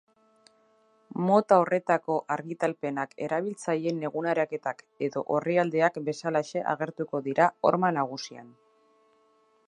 Mota horretako argitalpenak erabiltzaileen eguneraketak edo orrialdeak bezalaxe agertuko dira horma nagusian.